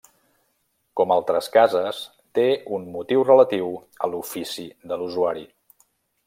Com altres cases, té un motiu relatiu a l'ofici de l'usuari.